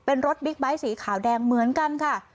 เป็นรถบิ๊กไบท์สีขาวแดงเหมือนกันค่ะ